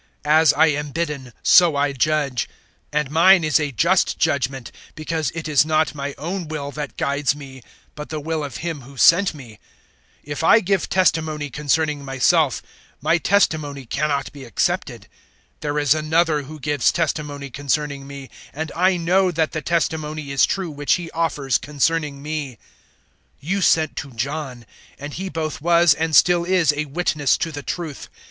As I am bidden, so I judge; and mine is a just judgement, because it is not my own will that guides me, but the will of Him who sent me. 005:031 "If I give testimony concerning myself, my testimony cannot be accepted. 005:032 There is Another who gives testimony concerning me, and I know that the testimony is true which He offers concerning me. 005:033 "You sent to John, and he both was and still is a witness to the truth.